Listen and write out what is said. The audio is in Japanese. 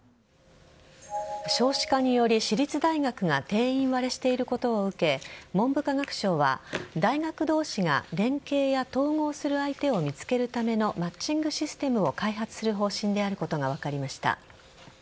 少子化により、私立大学が定員割れしていることを受け文部科学省は大学同士が、連携や統合する相手を見つけるためのマッチングシステムを開発する方針であることが分かりました。